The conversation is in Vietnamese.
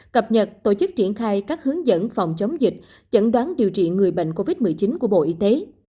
cập nhật tổ chức triển khai các hướng dẫn phòng chống dịch chẩn đoán điều trị người bệnh covid một mươi chín của bộ y tế